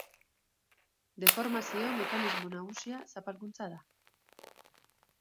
Deformazio mekanismo nagusia zapalkuntza da.